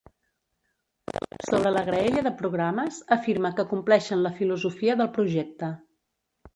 Sobre la graella de programes, afirma que compleixen la filosofia del projecte.